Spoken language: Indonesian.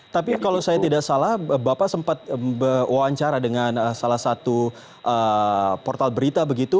tapi kalau saya tidak salah bapak sempat wawancara dengan salah satu portal berita begitu